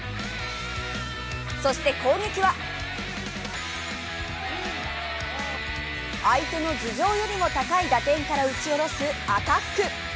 そして、攻撃は相手の頭上よりも高い打点から打ち下ろすアタック。